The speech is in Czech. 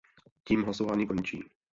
Tím hlasování končí.